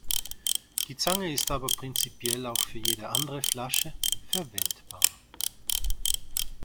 Die Zange ist aber prinzipiell auch für jede andere Flasche verwendbar.